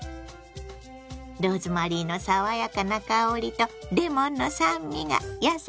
ローズマリーの爽やかな香りとレモンの酸味が野菜に合うわ。